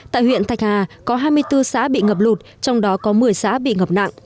tại huyện thạch hà có hai mươi bốn xã bị ngập lụt trong đó có một mươi xã bị ngập nặng